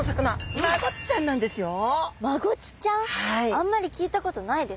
あんまり聞いたことないですね。